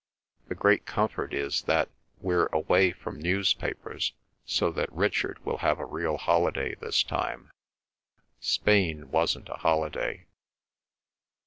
The great comfort is that we're away from newspapers, so that Richard will have a real holiday this time. Spain wasn't a holiday.